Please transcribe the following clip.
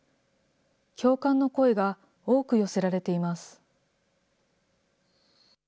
共感の声が多く寄せられています。